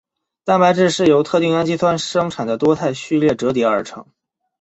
蛋白质是由特定氨基酸生成的多肽序列折叠而成。